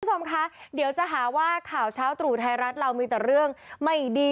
คุณผู้ชมคะเดี๋ยวจะหาว่าข่าวเช้าตรู่ไทยรัฐเรามีแต่เรื่องไม่ดี